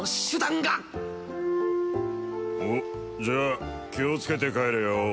じゃあ気をつけて帰れよ。